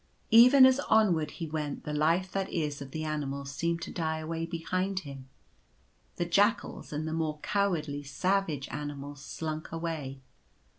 Even as onward he went the life that is of the animals seemed to die away behind him. The jackals and the more cowardly savage animals slunk away.